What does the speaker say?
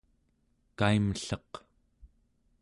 kaimlleq